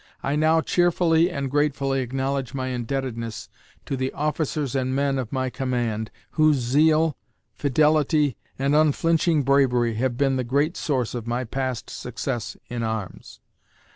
I now cheerfully and gratefully acknowledge my indebtedness to the officers and men of my command, whose zeal, fidelity, and unflinching bravery have been the great source of my past success in arms.